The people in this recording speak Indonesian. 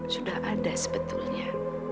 sudah ada sebetulnya